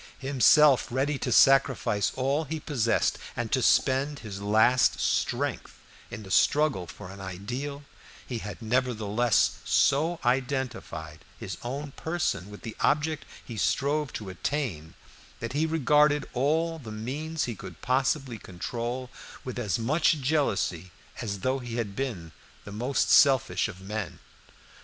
Himself ready to sacrifice all he possessed, and to spend his last strength in the struggle for an ideal, he had nevertheless so identified his own person with the object he strove to attain that he regarded all the means he could possibly control with as much jealousy as though he had been the most selfish of men.